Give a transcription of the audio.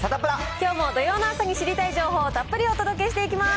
きょうも土曜の朝に知りたい情報をたっぷりお伝えしていきます。